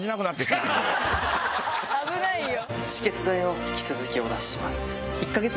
危ないよ。